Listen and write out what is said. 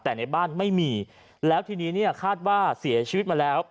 แต่ในบ้านไม่มีแล้วทีนี้เนี่ยคาดว่าเสียชีวิตมาแล้ว